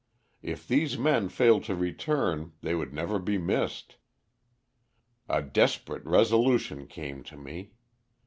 If these men failed to return they would never be missed. A desperate resolution came to me.